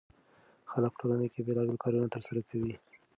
خلک په ټولنه کې بېلابېل کارونه ترسره کوي.